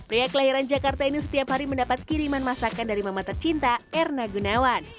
pria kelahiran jakarta ini setiap hari mendapat kiriman masakan dari mama tercinta erna gunawan